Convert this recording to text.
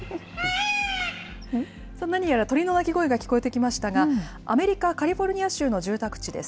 何やら鳥の鳴き声が聞こえてきましたが、アメリカ・カリフォルニア州の住宅地です。